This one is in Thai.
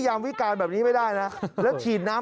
เยี่ยม